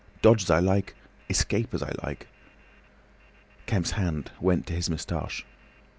Dodge as I like. Escape as I like." Kemp's hand went to his moustache.